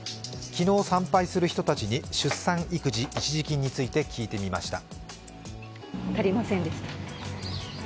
昨日参拝する人たちに出産育児一時金について聞いてみました。